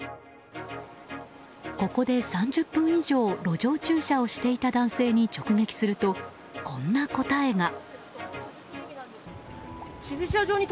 ここで３０分以上路上駐車をしていた男性に直撃するとこんな答えが。